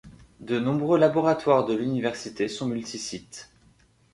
De nombreux laboratoires de l'université sont multi-sites.